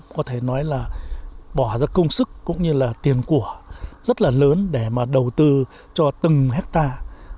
có thể nói là bỏ ra công sức cũng như là tiền của rất là lớn để mà đầu tư cho từng hectare